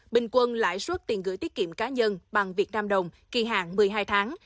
bình quân lãi suất tiền gửi tiết kiệm cá nhân bằng việt nam đồng kỳ hạn một mươi hai tháng